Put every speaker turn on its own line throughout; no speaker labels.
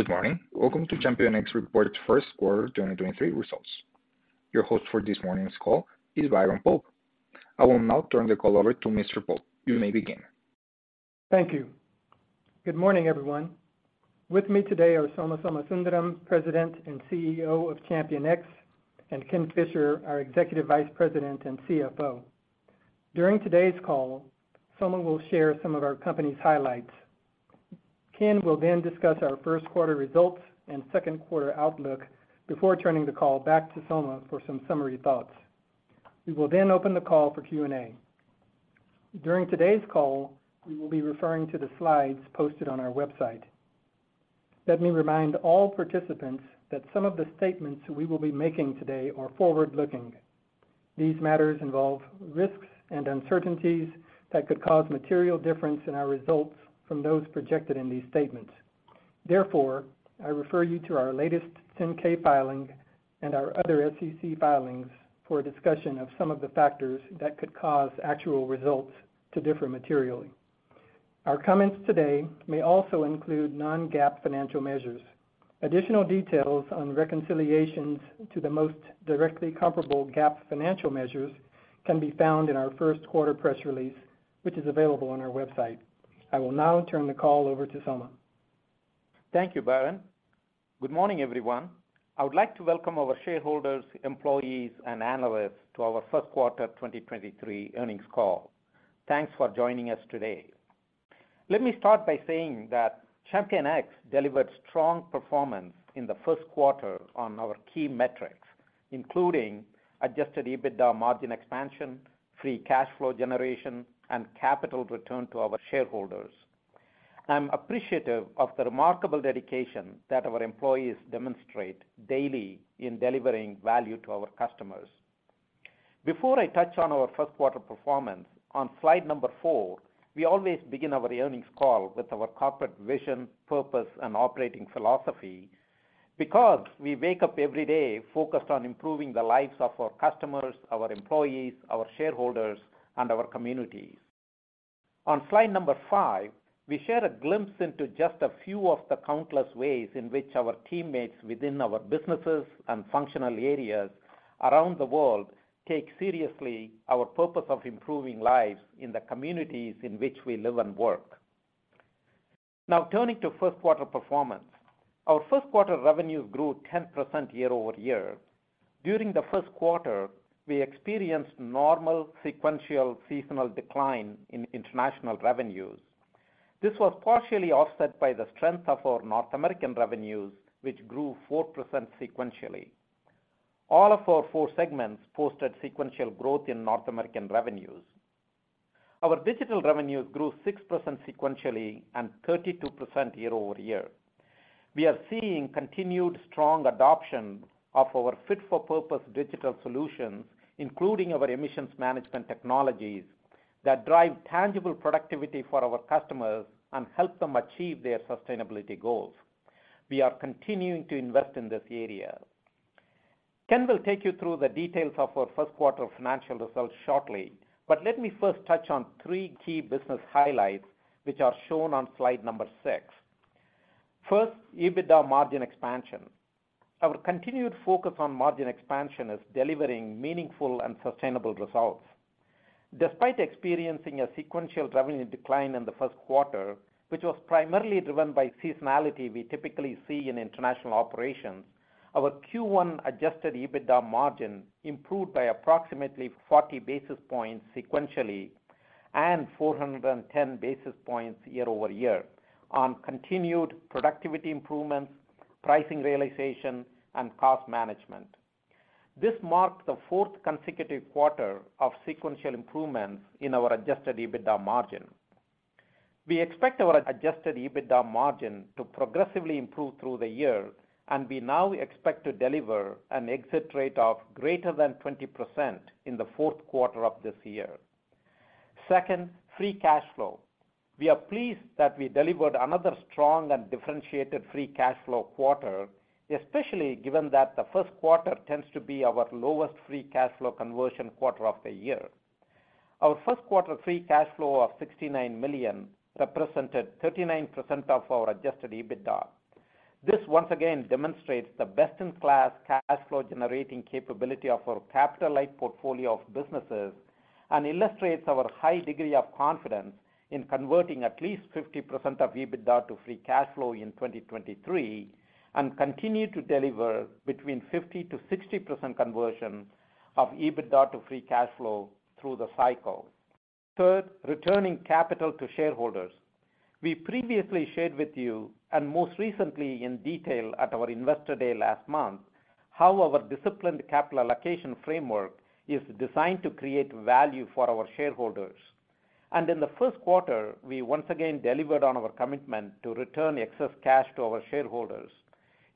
Good morning. Welcome to ChampionX report first quarter 2023 results. Your host for this morning's call is Byron Pope. I will now turn the call over to Mr. Pope. You may begin.
Thank you. Good morning, everyone. With me today are Soma Somasundaram, President and CEO of ChampionX, and Ken Fisher, our Executive Vice President and CFO. During today's call, Soma will share some of our company's highlights. Ken will then discuss our first quarter results and second quarter outlook before turning the call back to Soma for some summary thoughts. We will open the call for Q&A. During today's call, we will be referring to the slides posted on our website. Let me remind all participants that some of the statements we will be making today are forward-looking. These matters involve risks and uncertainties that could cause material difference in our results from those projected in these statements. Therefore, I refer you to our latest 10-K filing and our other SEC filings for a discussion of some of the factors that could cause actual results to differ materially. Our comments today may also include Non-GAAP financial measures. Additional details on reconciliations to the most directly comparable GAAP financial measures can be found in our first quarter press release, which is available on our website. I will now turn the call over to Soma.
Thank you, Byron. Good morning, everyone. I would like to welcome our shareholders, employees, and analysts to our first quarter 2023 earnings call. Thanks for joining us today. Let me start by saying that ChampionX delivered strong performance in the first quarter on our key metrics, including adjusted EBITDA margin expansion, free cash flow generation, and capital return to our shareholders. I'm appreciative of the remarkable dedication that our employees demonstrate daily in delivering value to our customers. Before I touch on our first quarter performance, on slide number four, we always begin our earnings call with our corporate vision, purpose, and operating philosophy because we wake up every day focused on improving the lives of our customers, our employees, our shareholders, and our communities. On slide number five, we share a glimpse into just a few of the countless ways in which our teammates within our businesses and functional areas around the world take seriously our purpose of improving lives in the communities in which we live and work. Turning to first quarter performance. Our first quarter revenues grew 10% year-over-year. During the first quarter, we experienced normal sequential seasonal decline in international revenues. This was partially offset by the strength of our North American revenues, which grew 4% sequentially. All of our four segments posted sequential growth in North American revenues. Our digital revenues grew 6% sequentially and 32% year-over-year. We are seeing continued strong adoption of our fit-for-purpose digital solutions, including our emissions management technologies that drive tangible productivity for our customers and help them achieve their sustainability goals. We are continuing to invest in this area. Ken will take you through the details of our first quarter financial results shortly. Let me first touch on three key business highlights which are shown on slide number six. First, EBITDA margin expansion. Our continued focus on margin expansion is delivering meaningful and sustainable results. Despite experiencing a sequential revenue decline in the first quarter, which was primarily driven by seasonality we typically see in international operations, our Q1 adjusted EBITDA margin improved by approximately 40 basis points sequentially and 410 basis points year-over-year on continued productivity improvements, pricing realization, and cost management. This marked the fourth consecutive quarter of sequential improvements in our adjusted EBITDA margin. We expect our adjusted EBITDA margin to progressively improve through the year. We now expect to deliver an exit rate of greater than 20% in the fourth quarter of this year. Second, free cash flow. We are pleased that we delivered another strong and differentiated free cash flow quarter, especially given that the first quarter tends to be our lowest free cash flow conversion quarter of the year. Our first quarter free cash flow of $69 million represented 39% of our adjusted EBITDA. This once again demonstrates the best-in-class cash flow generating capability of our capital-light portfolio of businesses and illustrates our high degree of confidence in converting at least 50% of EBITDA to free cash flow in 2023 and continue to deliver between 50%-60% conversion of EBITDA to free cash flow through the cycle. Third, returning capital to shareholders. We previously shared with you, and most recently in detail at our Investor Day last month, how our disciplined capital allocation framework is designed to create value for our shareholders. In the first quarter, we once again delivered on our commitment to return excess cash to our shareholders.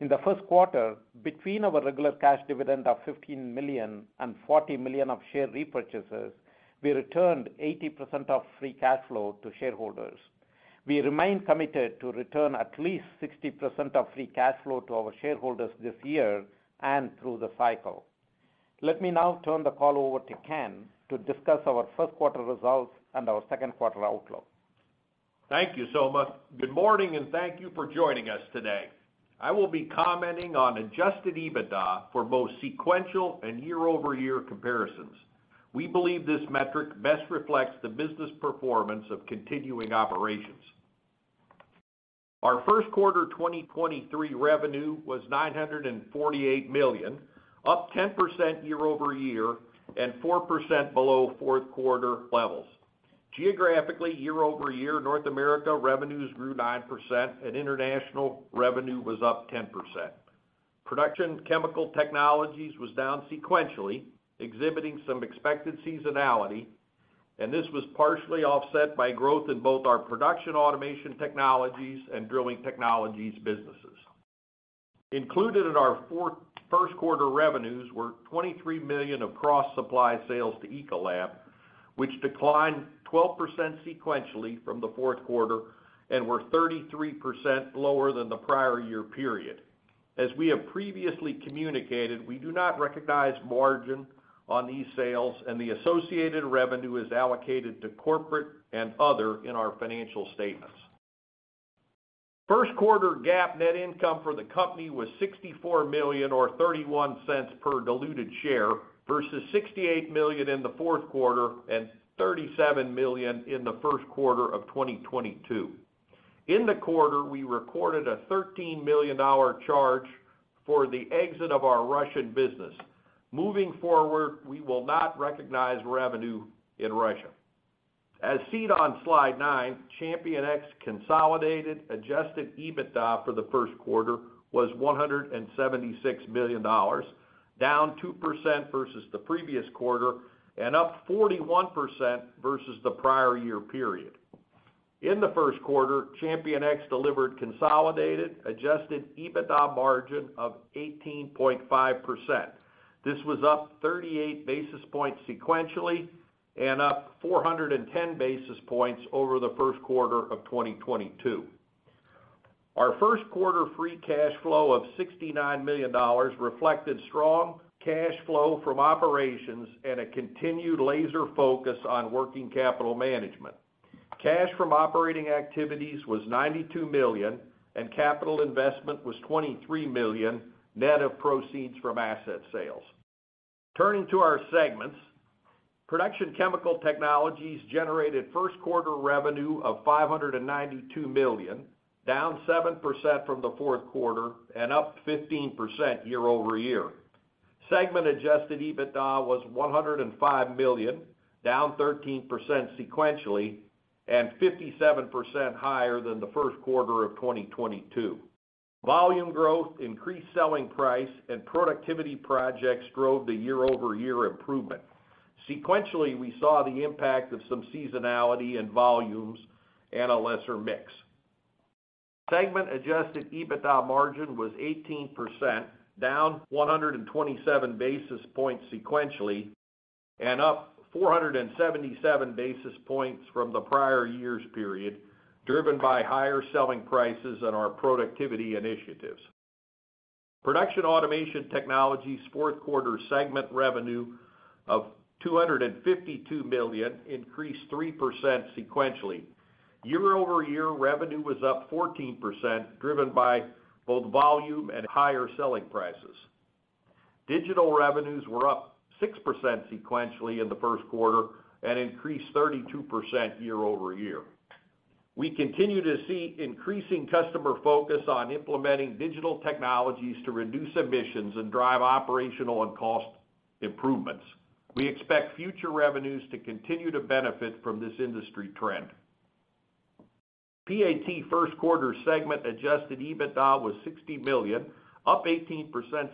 In the first quarter, between our regular cash dividend of $15 million and $40 million of share repurchases, we returned 80% of free cash flow to shareholders. We remain committed to return at least 60% of free cash flow to our shareholders this year and through the cycle. Let me now turn the call over to Ken to discuss our first quarter results and our second quarter outlook.
Thank you, Soma. Good morning, thank you for joining us today. I will be commenting on adjusted EBITDA for both sequential and year-over-year comparisons. We believe this metric best reflects the business performance of continuing operations. Our first quarter 2023 revenue was $948 million, up 10% year-over-year and 4% below fourth quarter levels. Geographically, year-over-year, North America revenues grew 9%, international revenue was up 10%. Production Chemical Technologies was down sequentially, exhibiting some expected seasonality, this was partially offset by growth in both our Production & Automation Technologies and Drilling Technologies businesses. Included in our first quarter revenues were $23 million of cross-supply sales to Ecolab, which declined 12% sequentially from the fourth quarter and were 33% lower than the prior year period. As we have previously communicated, we do not recognize margin on these sales, and the associated revenue is allocated to corporate and other in our financial statements. First quarter GAAP net income for the company was $64 million or $0.31 per diluted share versus $68 million in the fourth quarter and $37 million in the first quarter of 2022. In the quarter, we recorded a $13 million charge for the exit of our Russian business. Moving forward, we will not recognize revenue in Russia. As seen on slide nine, ChampionX consolidated adjusted EBITDA for the first quarter was $176 million, down 2% versus the previous quarter and up 41% versus the prior year period. In the first quarter, ChampionX delivered consolidated adjusted EBITDA margin of 18.5%. This was up 38 basis points sequentially and up 410 basis points over the first quarter of 2022. Our first quarter free cash flow of $69 million reflected strong cash flow from operations and a continued laser focus on working capital management. Cash from operating activities was $92 million, and capital investment was $23 million, net of proceeds from asset sales. Turning to our segments, Production Chemical Technologies generated first quarter revenue of $592 million, down 7% from the fourth quarter and up 15% year-over-year. Segment adjusted EBITDA was $105 million, down 13% sequentially, and 57% higher than the first quarter of 2022. Volume growth, increased selling price, and productivity projects drove the year-over-year improvement. Sequentially, we saw the impact of some seasonality in volumes and a lesser mix. Segment adjusted EBITDA margin was 18%, down 127 basis points sequentially and up 477 basis points from the prior year's period, driven by higher selling prices and our productivity initiatives. Production & Automation Technologies' fourth quarter segment revenue of $252 million increased 3% sequentially. Year-over-year, revenue was up 14%, driven by both volume and higher selling prices. Digital revenues were up 6% sequentially in the first quarter and increased 32% year-over-year. We continue to see increasing customer focus on implementing digital technologies to reduce emissions and drive operational and cost improvements. We expect future revenues to continue to benefit from this industry trend. PAT first quarter segment adjusted EBITDA was $60 million, up 18%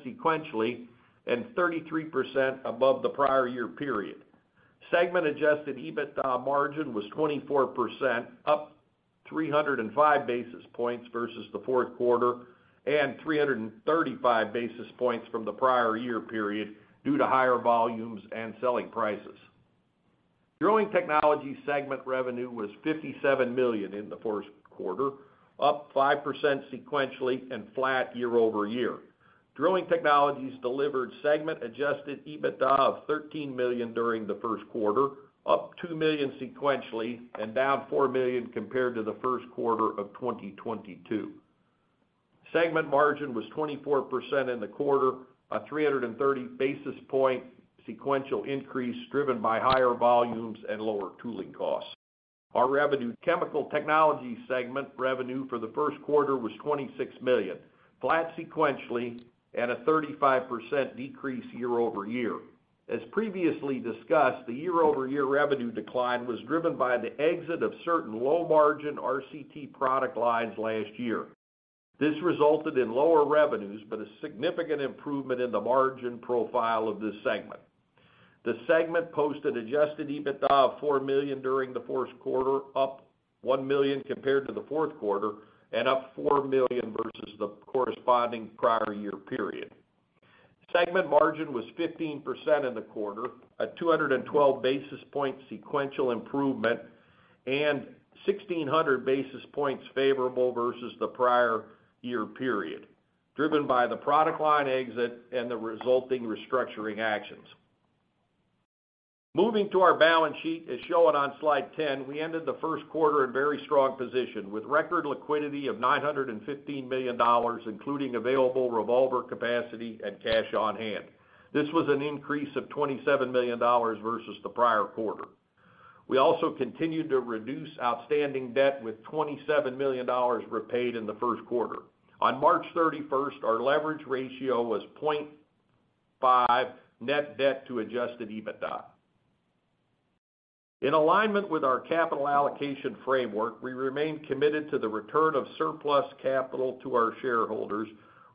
sequentially and 33% above the prior year period. Segment adjusted EBITDA margin was 24%, up 305 basis points versus the fourth quarter and 335 basis points from the prior year period due to higher volumes and selling prices. Drilling Technologies segment revenue was $57 million in the first quarter, up 5% sequentially and flat year-over-year. Drilling Technologies delivered segment adjusted EBITDA of $13 million during the first quarter, up $2 million sequentially and down $4 million compared to the first quarter of 2022. Segment margin was 24% in the quarter, a 330 basis point sequential increase driven by higher volumes and lower tooling costs. Chemical Technologies segment revenue for the first quarter was $26 million, flat sequentially and a 35% decrease year-over-year. As previously discussed, the year-over-year revenue decline was driven by the exit of certain low-margin RCT product lines last year. This resulted in lower revenues, a significant improvement in the margin profile of this segment. The segment posted adjusted EBITDA of $4 million during the first quarter, up $1 million compared to the fourth quarter and up $4 million versus the corresponding prior year period. Segment margin was 15% in the quarter, a 212 basis point sequential improvement. 1,600 basis points favorable versus the prior year period, driven by the product line exit and the resulting restructuring actions. Moving to our balance sheet as shown on Slide 10, we ended the first quarter in very strong position with record liquidity of $915 million, including available revolver capacity and cash on hand. This was an increase of $27 million versus the prior quarter. We also continued to reduce outstanding debt with $27 million repaid in the 1st quarter. On March 31st, our leverage ratio was 0.5x net debt to adjusted EBITDA. In alignment with our capital allocation framework, we remain committed to the return of surplus capital to our shareholders,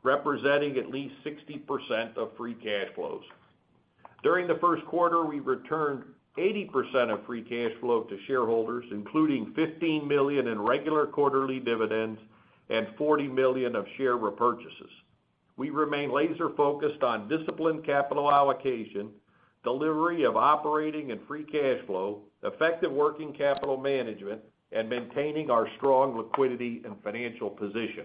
representing at least 60% of free cash flows. During the 1st quarter, we returned 80% of free cash flow to shareholders, including $15 million in regular quarterly dividends and $40 million of share repurchases. We remain laser-focused on disciplined capital allocation, delivery of operating and free cash flow, effective working capital management, and maintaining our strong liquidity and financial position.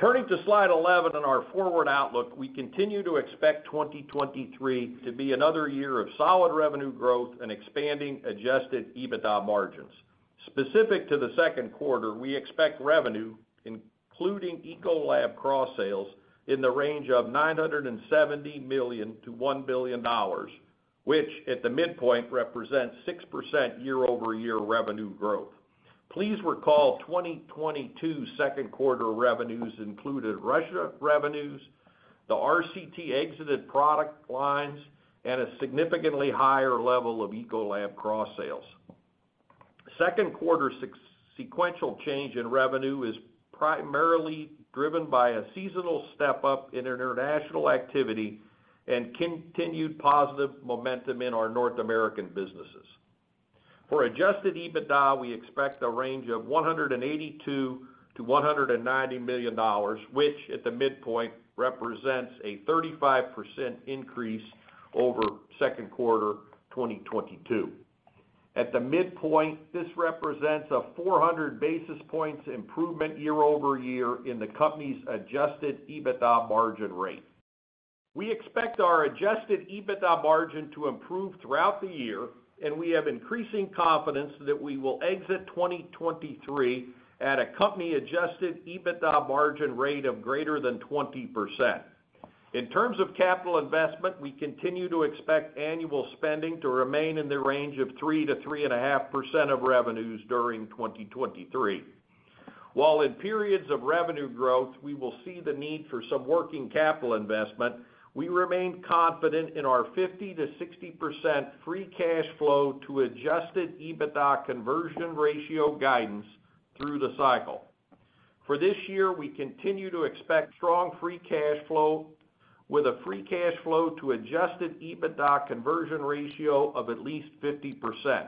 Turning to slide 11 on our forward outlook, we continue to expect 2023 to be another year of solid revenue growth and expanding adjusted EBITDA margins. Specific to the second quarter, we expect revenue, including Ecolab cross-sales, in the range of $970 million-$1 billion, which at the midpoint represents 6% year-over-year revenue growth. Please recall 2022 second quarter revenues included Russia revenues, the RCT exited product lines, and a significantly higher level of Ecolab cross-sales. Second quarter sequential change in revenue is primarily driven by a seasonal step-up in international activity and continued positive momentum in our North American businesses. For adjusted EBITDA, we expect a range of $182 million-$190 million, which at the midpoint represents a 35% increase over second quarter 2022. At the midpoint, this represents a 400 basis points improvement year-over-year in the company's adjusted EBITDA margin rate. We expect our adjusted EBITDA margin to improve throughout the year, and we have increasing confidence that we will exit 2023 at a company-adjusted EBITDA margin rate of greater than 20%. In terms of capital investment, we continue to expect annual spending to remain in the range of 3%-3.5% of revenues during 2023. While in periods of revenue growth, we will see the need for some working capital investment, we remain confident in our 50%-60% free cash flow to adjusted EBITDA conversion ratio guidance through the cycle. For this year, we continue to expect strong free cash flow with a free cash flow to adjusted EBITDA conversion ratio of at least 50%.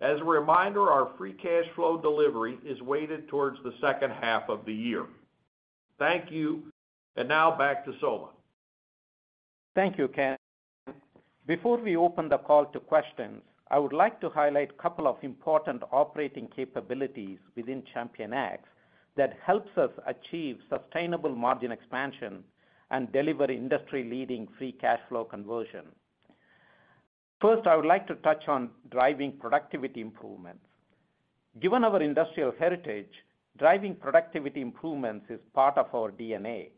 As a reminder, our free cash flow delivery is weighted towards the second half of the year. Thank you. Now back to Soma.
Thank you, Ken. Before we open the call to questions, I would like to highlight a couple of important operating capabilities within ChampionX that helps us achieve sustainable margin expansion and deliver industry-leading free cash flow conversion. First, I would like to touch on driving productivity improvements. Given our industrial heritage, driving productivity improvements is part of our DNA.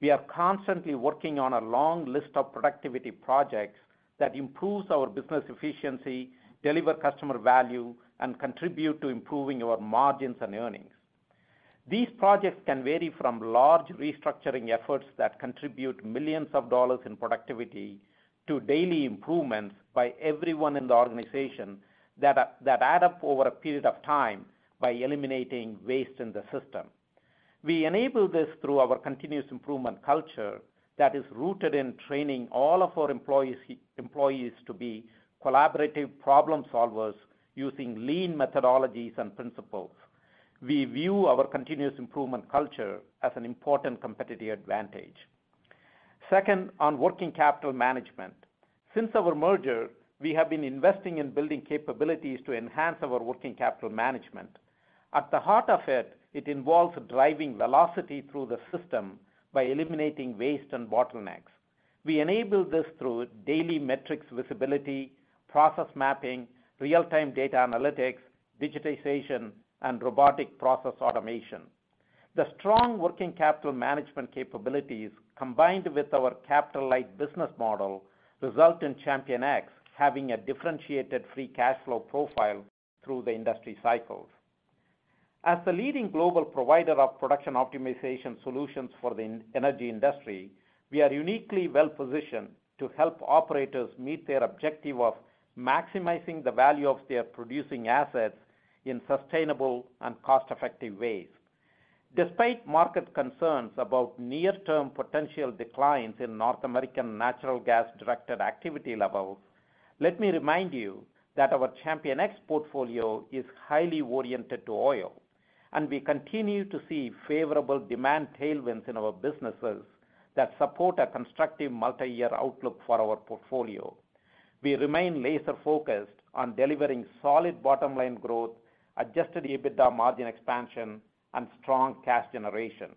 We are constantly working on a long list of productivity projects that improves our business efficiency, deliver customer value, and contribute to improving our margins and earnings. These projects can vary from large restructuring efforts that contribute millions of dollars in productivity to daily improvements by everyone in the organization that add up over a period of time by eliminating waste in the system. We enable this through our continuous improvement culture that is rooted in training all of our employees to be collaborative problem-solvers using Lean methodologies and principles. We view our continuous improvement culture as an important competitive advantage. Second, on working capital management. Since our merger, we have been investing in building capabilities to enhance our working capital management. At the heart of it involves driving velocity through the system by eliminating waste and bottlenecks. We enable this through daily metrics visibility, process mapping, real-time data analytics, digitization, and robotic process automation. The strong working capital management capabilities, combined with our capital-light business model, result in ChampionX having a differentiated free cash flow profile through the industry cycles. As the leading global provider of production optimization solutions for the energy industry, we are uniquely well-positioned to help operators meet their objective of maximizing the value of their producing assets in sustainable and cost-effective ways. Despite market concerns about near-term potential declines in North American natural gas directed activity levels, let me remind you that our ChampionX portfolio is highly oriented to oil. We continue to see favorable demand tailwinds in our businesses that support a constructive multi-year outlook for our portfolio. We remain laser-focused on delivering solid bottom line growth, adjusted EBITDA margin expansion, and strong cash generation.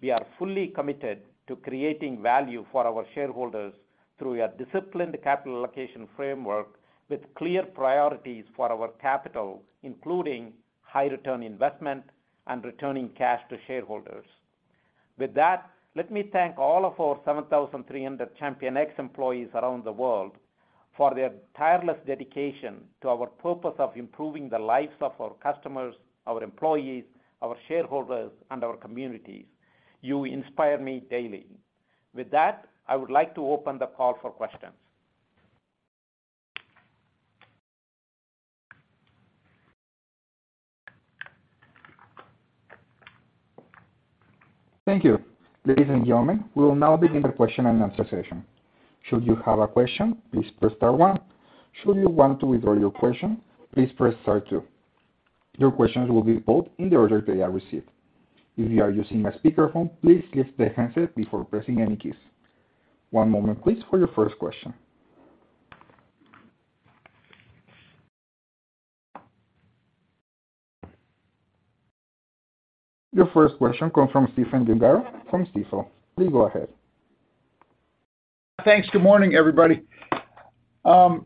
We are fully committed to creating value for our shareholders through a disciplined capital allocation framework with clear priorities for our capital, including high return investment and returning cash to shareholders. With that, let me thank all of our 7,300 ChampionX employees around the world for their tireless dedication to our purpose of improving the lives of our customers, our employees, our shareholders, and our communities. You inspire me daily. With that, I would like to open the call for questions.
Thank you. Ladies and gentlemen, we will now begin the question-and-answer session. Should you have a question, please press star one. Should you want to withdraw your question, please press star two. Your questions will be posed in the order they are received. If you are using a speakerphone, please kiss the handset before pressing any keys. One moment please for your first question. Your first question comes from Stephen Gengaro from Stifel. Please go ahead.
Thanks. Good morning, everybody. I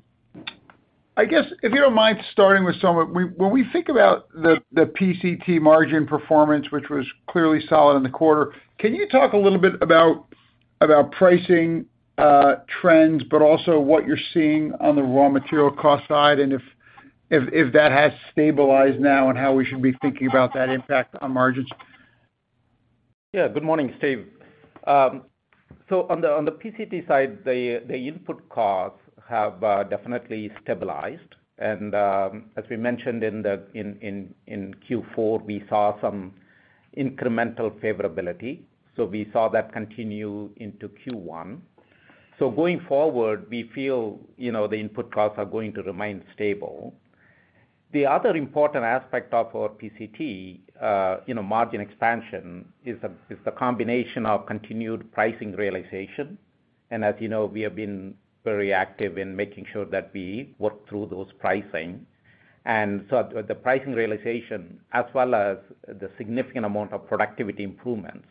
guess if you don't mind starting with when we think about the PCT margin performance, which was clearly solid in the quarter, can you talk a little bit about pricing trends, but also what you're seeing on the raw material cost side, and if that has stabilized now and how we should be thinking about that impact on margins?
Yeah. Good morning, Steve. On the PCT side, the input costs have definitely stabilized. As we mentioned in Q4, we saw some incremental favorability. We saw that continue into Q1. Going forward, we feel, you know, the input costs are going to remain stable. The other important aspect of our PCT, you know, margin expansion is the combination of continued pricing realization. As you know, we have been very active in making sure that we work through those pricing. The pricing realization as well as the significant amount of productivity improvements.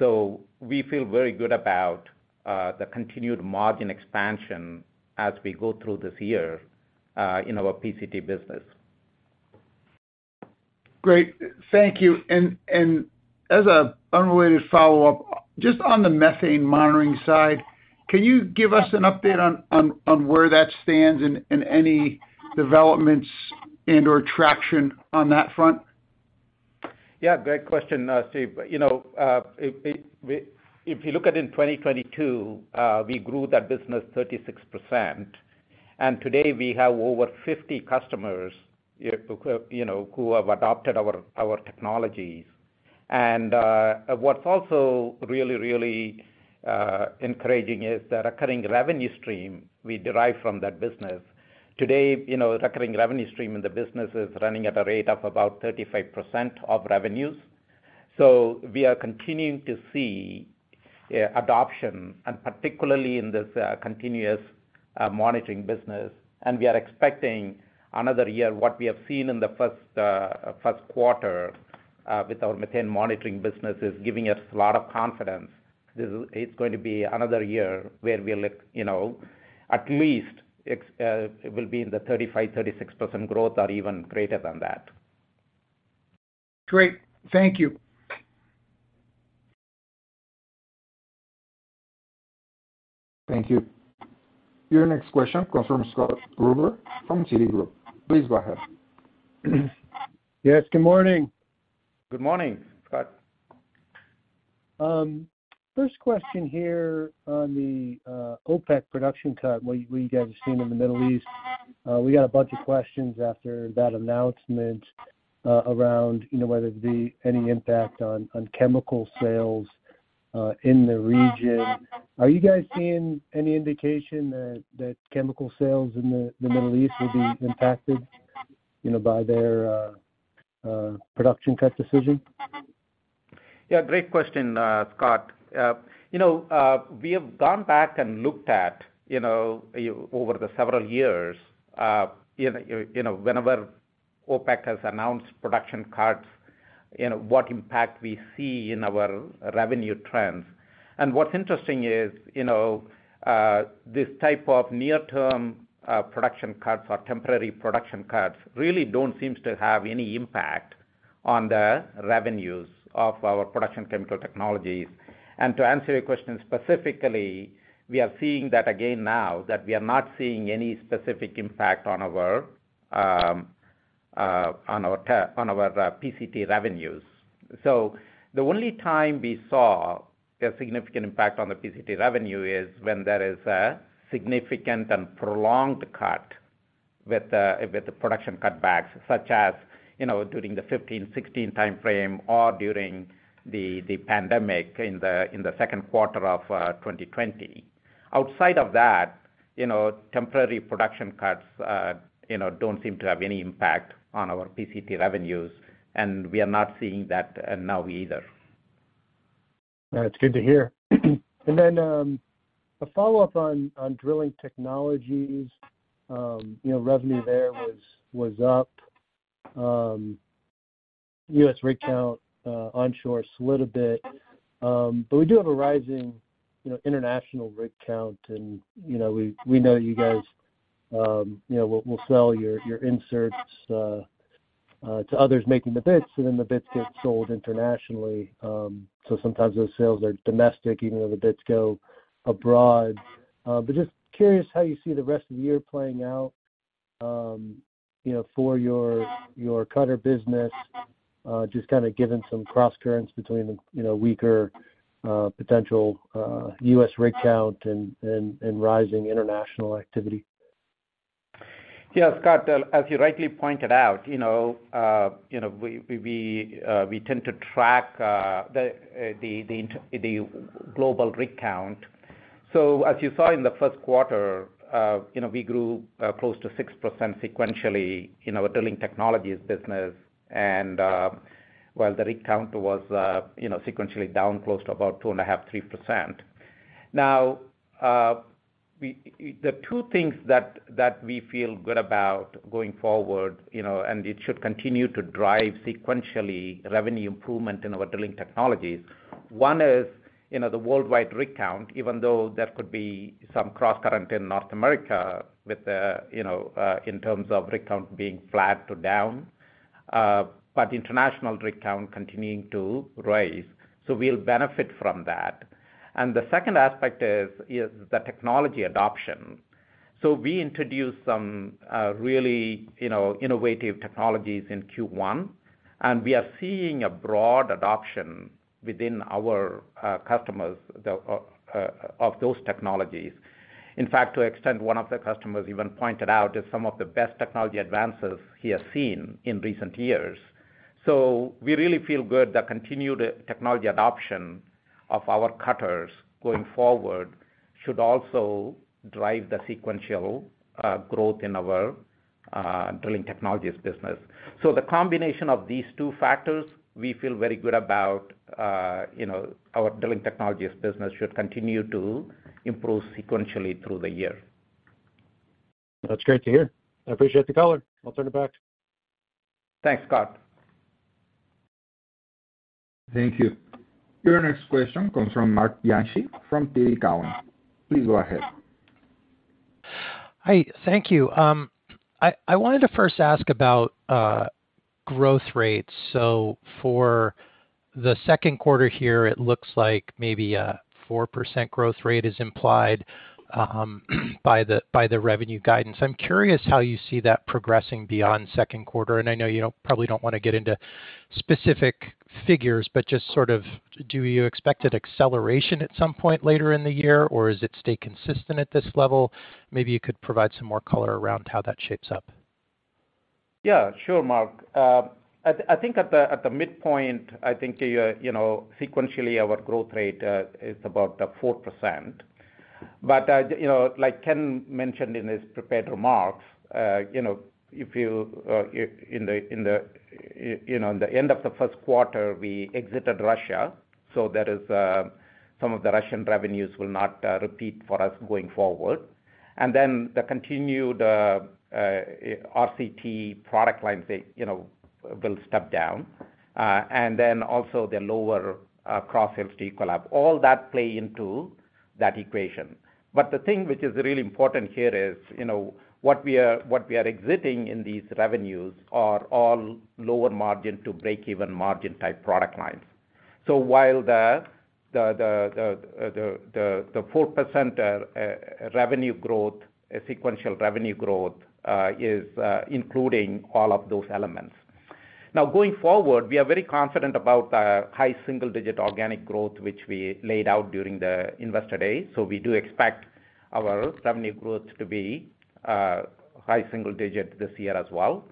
We feel very good about the continued margin expansion as we go through this year in our PCT business.
Great. Thank you. As a unrelated follow-up, just on the methane monitoring side, can you give us an update on where that stands and any developments and/or traction on that front?
Yeah, great question, Steve. You know, if you look at in 2022, we grew that business 36%. Today we have over 50 customers, you know, who have, you know, who have adopted our technologies. What's also really, really encouraging is the recurring revenue stream we derive from that business. Today, you know, the recurring revenue stream in the business is running at a rate of about 35% of revenues. We are continuing to see adoption and particularly in this continuous monitoring business. We are expecting another year what we have seen in the first quarter with our methane monitoring business is giving us a lot of confidence. It's going to be another year where we'll, you know, it will be in the 35%-36% growth or even greater than that.
Great. Thank you.
Thank you. Your next question comes from Scott Gruber from Citigroup. Please go ahead.
Yes, good morning.
Good morning, Scott.
First question here on the OPEC production cut, what you guys have seen in the Middle East. We got a bunch of questions after that announcement, around, you know, whether there'd be any impact on chemical sales, in the region. Are you guys seeing any indication that chemical sales in the Middle East will be impacted, you know, by their production cut decision?
Yeah, great question, Scott. You know, we have gone back and looked at, you know, over the several years, you know, whenever OPEC has announced production cuts, you know, what impact we see in our revenue trends. What's interesting is, you know, this type of near-term production cuts or temporary production cuts really don't seems to have any impact on the revenues of our Production Chemical Technologies. To answer your question specifically, we are seeing that again now that we are not seeing any specific impact on our on our PCT revenues. The only time we saw a significant impact on the PCT revenue is when there is a significant and prolonged cut with the production cutbacks, such as, you know, during the 2015, 2016 timeframe or during the pandemic in the second quarter of 2020. Outside of that, you know, temporary production cuts, you know, don't seem to have any impact on our PCT revenues, and we are not seeing that now either.
That's good to hear. Then, a follow-up on Drilling Technologies. You know, revenue there was up. U.S. rig count onshore slid a bit. We do have a rising, you know, international rig count and, you know, we know you guys, you know, will sell your inserts to others making the bids, and then the bids get sold internationally. Sometimes those sales are domestic, even though the bids go abroad. Just curious how you see the rest of the year playing out, you know, for your cutter business, just kinda given some cross currents between the, you know, weaker potential U.S. rig count and rising international activity.
Yeah, Scott, as you rightly pointed out, you know, we tend to track the global rig count. As you saw in the first quarter, you know, we grew 6% sequentially in our Drilling Technologies business, and while the rig count was, you know, sequentially down close to about 2.5%-3%. Now, the two things that we feel good about going forward, you know, and it should continue to drive sequentially revenue improvement in our Drilling Technologies. One is, you know, the worldwide rig count, even though there could be some cross-current in North America with the, you know, in terms of rig count being flat to down, international rig count continuing to rise. We'll benefit from that. The second aspect is the technology adoption. We introduced some, really, you know, innovative technologies in Q1, and we are seeing a broad adoption within our customers the of those technologies. In fact, to extent one of the customers even pointed out is some of the best technology advances he has seen in recent years. We really feel good the continued technology adoption of our cutters going forward should also drive the sequential growth in our Drilling Technologies business. The combination of these two factors, we feel very good about, you know, our Drilling Technologies business should continue to improve sequentially through the year.
That's great to hear. I appreciate the color. I'll turn it back.
Thanks, Scott.
Thank you. Your next question comes from Marc Bianchi from TD Cowen. Please go ahead.
Hi, thank you. I wanted to first ask about growth rates. For the second quarter here, it looks like maybe a 4% growth rate is implied by the revenue guidance. I'm curious how you see that progressing beyond second quarter. I know you probably don't wanna get into specific figures, but just sort of do you expect an acceleration at some point later in the year, or is it stay consistent at this level? Maybe you could provide some more color around how that shapes up.
Sure, Marc. At the midpoint, sequentially our growth rate is about 4%. Like Kenneth mentioned in his prepared remarks, in the end of the first quarter, we exited Russia, some of the Russian revenues will not repeat for us going forward. The continued RCT product lines will step down. Also the lower cross-sell collab. All that play into that equation. The thing which is really important here is what we are exiting in these revenues are all lower margin to break-even margin type product lines. While the 4% revenue growth, sequential revenue growth, is including all of those elements. Going forward, we are very confident about our high single-digit organic growth, which we laid out during the Investor Day. We do expect our revenue growth to be high single digit this year as well.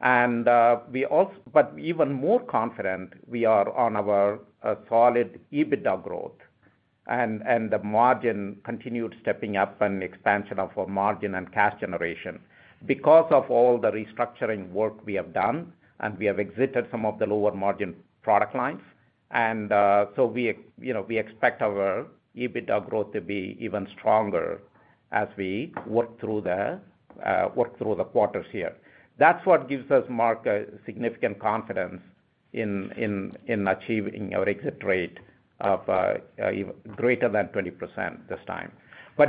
But even more confident we are on our solid EBITDA growth and the margin continued stepping up and expansion of our margin and cash generation because of all the restructuring work we have done, and we have exited some of the lower margin product lines. We, you know, we expect our EBITDA growth to be even stronger as we work through the quarters here. That's what gives us, Mark, a significant confidence in achieving our exit rate of greater than 20% this time.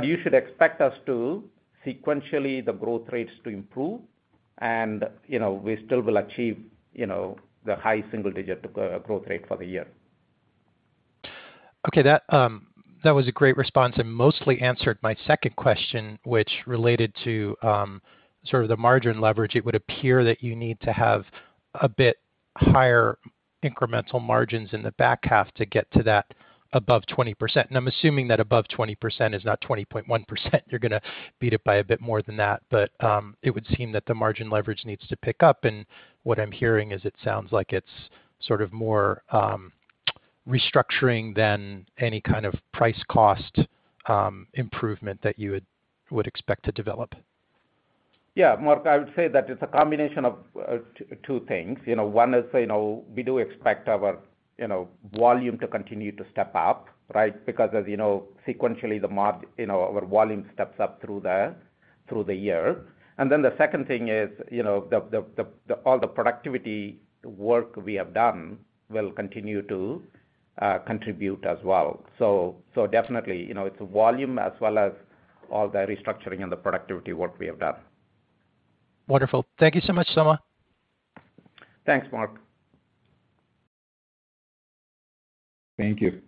You should expect us to sequentially the growth rates to improve and, you know, we still will achieve, you know, the high single-digit growth rate for the year.
Okay. That, that was a great response and mostly answered my second question, which related to, sort of the margin leverage. It would appear that you need to have a bit higher incremental margins in the back half to get to that above 20%. I'm assuming that above 20% is not 20.1%. You're gonna beat it by a bit more than that. It would seem that the margin leverage needs to pick up, and what I'm hearing is it sounds like it's sort of more.
Restructuring than any kind of price cost, improvement that you would expect to develop.
Yeah, Mark, I would say that it's a combination of two things. You know, one is, you know, we do expect our, you know, volume to continue to step up, right? Because as you know, sequentially the volume steps up through the, through the year. The second thing is, you know, the all the productivity work we have done will continue to contribute as well. Definitely, you know, it's volume as well as all the restructuring and the productivity work we have done.
Wonderful. Thank you so much, Soma.
Thanks, Mark.
Thank you.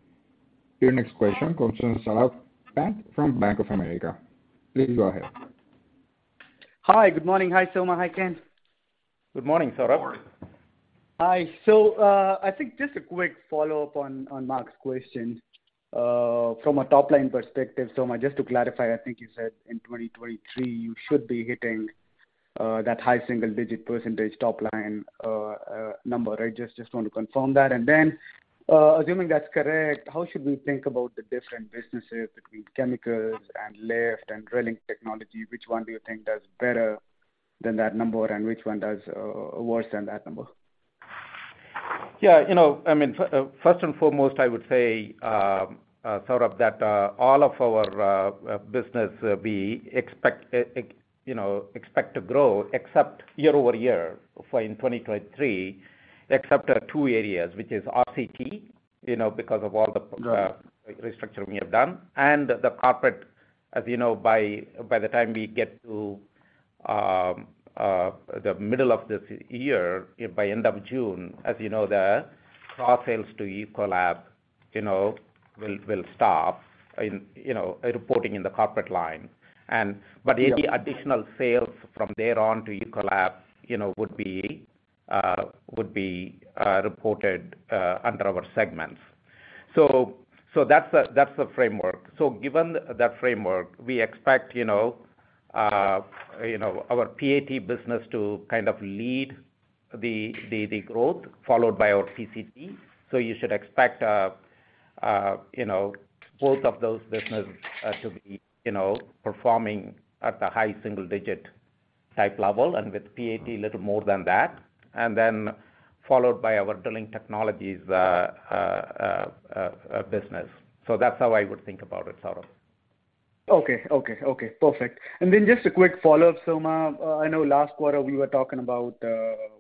Your next question comes from Saurabh Pant from Bank of America. Please go ahead.
Hi. Good morning. Hi, Soma. Hi, Ken.
Good morning, Saurabh.
Good morning.
Hi. I think just a quick follow-up on Mark's question. From a top-line perspective, Soma, just to clarify, I think you said in 2023, you should be hitting that high single-digit % top line number. I just want to confirm that. Assuming that's correct, how should we think about the different businesses between chemicals and lift and drilling technology? Which one do you think does better than that number, and which one does worse than that number?
Yeah, you know, I mean, first and foremost, I would say, sort of that, all of our business we expect, you know, expect to grow except year-over-year for in 2023, except at two areas, which is RCT, you know, because of all the-
Right.
restructuring we have done. The CAPEX, as you know, by the time we get to the middle of this year, by end of June, as you know, the raw sales to Ecolab, you know, will stop in, you know, reporting in the CAPEX line.
Yeah.
Any additional sales from there on to Ecolab, you know, would be reported under our segments. That's the framework. Given that framework, we expect, you know, our PAT business to kind of lead the growth followed by our PCT. You should expect, you know, both of those business to be, you know, performing at the high single digit type level and with PAT a little more than that, and then followed by our Drilling Technologies business. That's how I would think about it, Saurabh.
Okay, perfect. Just a quick follow-up, Soma. I know last quarter we were talking about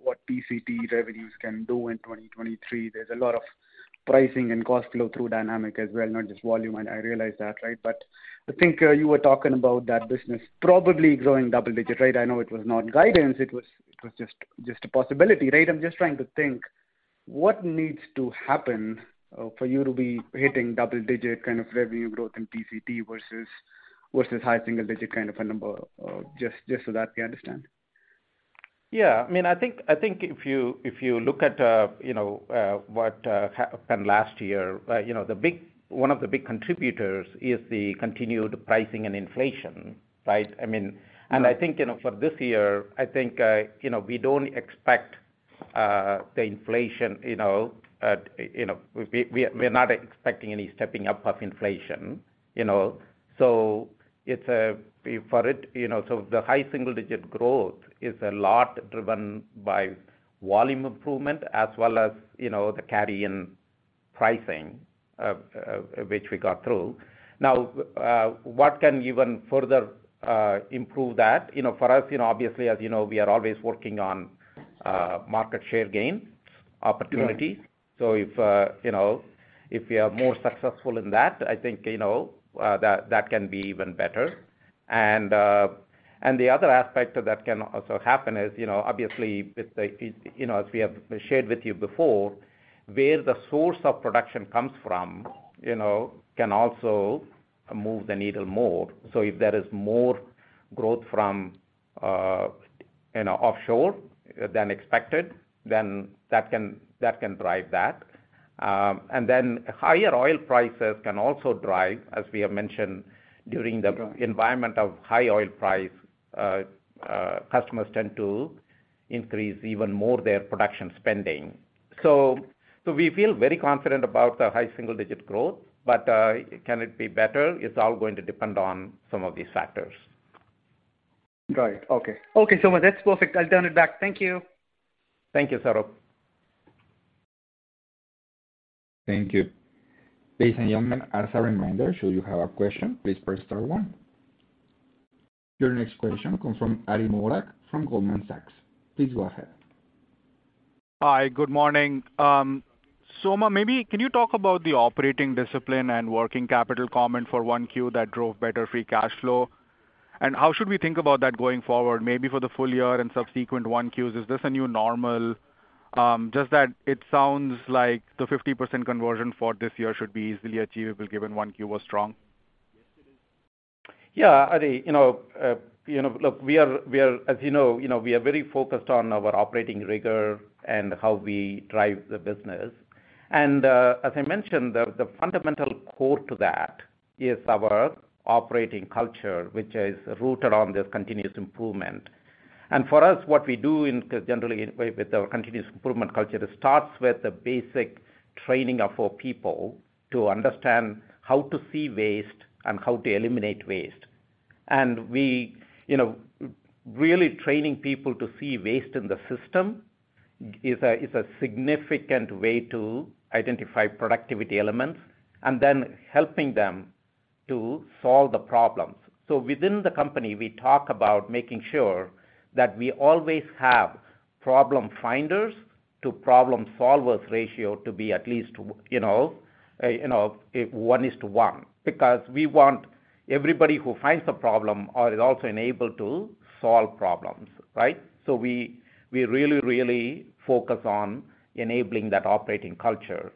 what TCT revenues can do in 2023. There's a lot of pricing and cost flow through dynamic as well, not just volume, and I realize that, right? I think you were talking about that business probably growing double-digit, right? I know it was not guidance, it was just a possibility, right? I'm just trying to think what needs to happen for you to be hitting double-digit kind of revenue growth in TCT versus high single-digit kind of a number, just so that we understand.
Yeah. I mean, I think if you, if you look at, you know, what happened last year, you know, one of the big contributors is the continued pricing and inflation, right?
Mm-hmm.
I think, you know, for this year, I think, you know, we don't expect the inflation, you know. We're not expecting any stepping up of inflation, you know? It's, you know, the high single digit growth is a lot driven by volume improvement as well as, you know, the carry in pricing which we got through. What can even further improve that? You know, for us, you know, obviously, as you know, we are always working on market share gain opportunity.
Mm-hmm.
If, you know, if we are more successful in that, I think, you know, that can be even better. The other aspect that can also happen is, you know, obviously with the, you know, as we have shared with you before, where the source of production comes from, you know, can also move the needle more. If there is more growth from, you know, offshore than expected, then that can, that can drive that. Higher oil prices can also drive, as we have mentioned during the environment of high oil price, customers tend to increase even more their production spending. We feel very confident about the high single digit growth, but, can it be better? It's all going to depend on some of these factors.
Right. Okay. Okay, Soma, that's perfect. I'll turn it back. Thank you.
Thank you, Saurabh.
Thank you. Ladies and gentlemen, as a reminder, should you have a question, please press star one. Your next question comes from Ati Modak from Goldman Sachs. Please go ahead.
Hi. Good morning. Soma, maybe can you talk about the operating discipline and working capital comment for one Q that drove better free cash flow? How should we think about that going forward, maybe for the full year and subsequent one Qs? Is this a new normal? Just that it sounds like the 50% conversion for this year should be easily achievable given one Q was strong.
Yeah, Ari. You know, you know, look, As you know, you know, we are very focused on our operating rigor and how we drive the business. As I mentioned, the fundamental core to that is our operating culture, which is rooted on this continuous improvement. For us, what we do generally with our continuous improvement culture, it starts with the basic training of our people to understand how to see waste and how to eliminate waste. We, you know, really training people to see waste in the system is a significant way to identify productivity elements, and then helping them to solve the problems. Within the company, we talk about making sure that we always have problem finders to problem solvers ratio to be at least, you know, 1 is to 1, because we want everybody who finds the problem are also enabled to solve problems, right? We really, really focus on enabling that operating culture.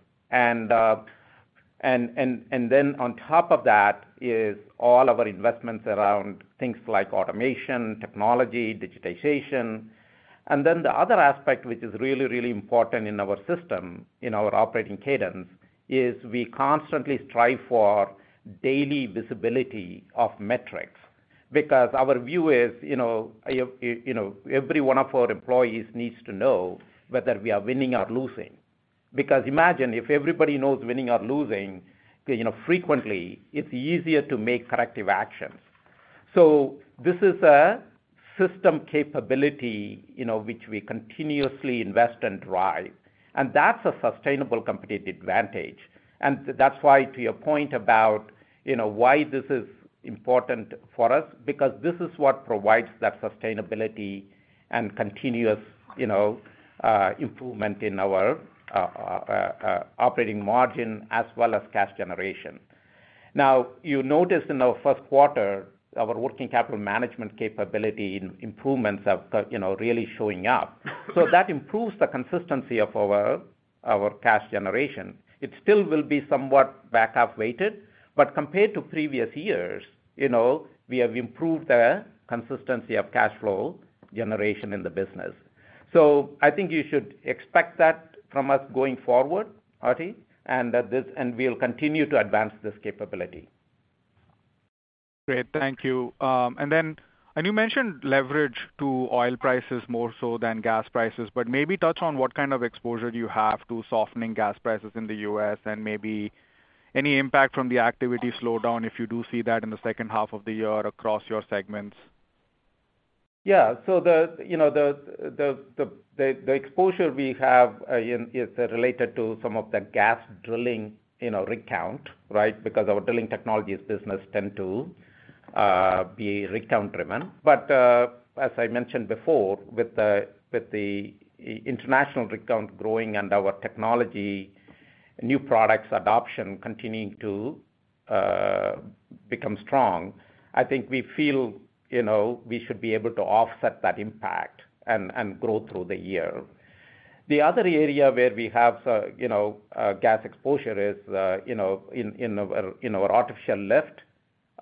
Then on top of that is all our investments around things like automation, technology, digitization. Then the other aspect, which is really, really important in our system, in our operating cadence, is we constantly strive for daily visibility of metrics. Our view is, you know, every one of our employees needs to know whether we are winning or losing. Imagine if everybody knows winning or losing, you know, frequently, it's easier to make corrective actions. This is a system capability, you know, which we continuously invest and drive, and that's a sustainable competitive advantage. That's why, to your point about, you know, why this is important for us, because this is what provides that sustainability and continuous, you know, improvement in our operating margin as well as cash generation. You notice in our first quarter, our working capital management capability improvements have, you know, really showing up. That improves the consistency of our cash generation. It still will be somewhat back half weighted, but compared to previous years, you know, we have improved the consistency of cash flow generation in the business. I think you should expect that from us going forward, Arti, and we'll continue to advance this capability.
Great, thank you. You mentioned leverage to oil prices more so than gas prices, but maybe touch on what kind of exposure you have to softening gas prices in the U.S. and maybe any impact from the activity slowdown, if you do see that in the second half of the year across your segments?
Yeah. So the, you know, the, the, the, the exposure we have, uh, in is related to some of the gas drilling, you know, rig count, right? Because our drilling technologies business tend to, uh, be rig count driven. But, uh, as I mentioned before, with the, with the i-international rig count growing and our technology, new products adoption continuing to, uh, become strong, I think we feel, you know, we should be able to offset that impact and, and grow through the year. The other area where we have, uh, you know, uh, gas exposure is, uh, you know, in, in our, in our artificial lift,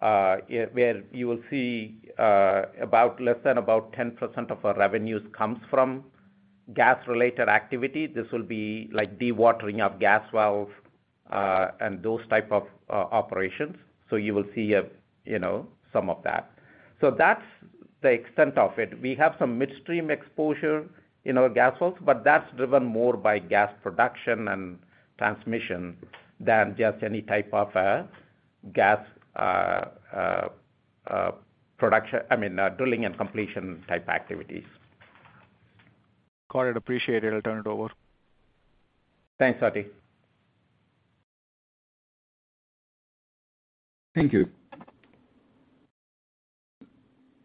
uh, where you will see, uh, about less than about ten percent of our revenues comes from gas-related activity. This will be like dewatering of gas wells, uh, and those type of o-operations. So you will see, uh, you know, some of that. That's the extent of it. We have some midstream exposure in our gas wells, but that's driven more by gas production and transmission than just any type of gas. I mean, drilling and completion type activities.
Got it. Appreciate it. I'll turn it over.
Thanks, Ati.
Thank you.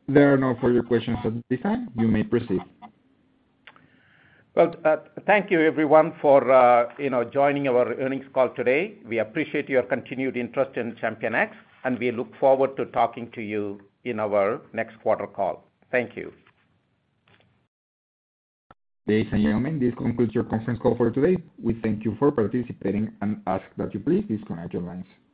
There are none further questions at this time. You may proceed.
Well, thank you everyone for, you know, joining our earnings call today. We appreciate your continued interest in ChampionX. We look forward to talking to you in our next quarter call. Thank you.
Ladies and gentlemen, this concludes your conference call for today. We thank you for participating and ask that you please disconnect your lines.